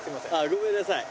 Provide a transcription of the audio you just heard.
ごめんなさい。